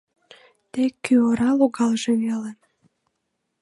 Тек кӱ ора логалже веле